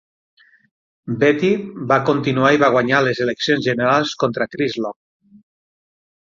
Beatty va continuar i va guanyar les eleccions generals contra Chris Long.